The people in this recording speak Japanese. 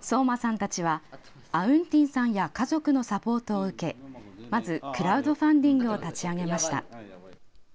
聡真さんたちはアウン・ティンさんや家族のサポートを受けまずクラウドファンディンクを立ち上げました。